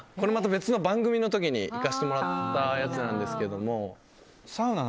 別の番組の時に行かせてもらったやつですけど。